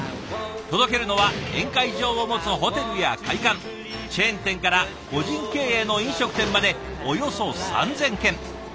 届けるのは宴会場を持つホテルや会館チェーン店から個人経営の飲食店までおよそ３，０００軒。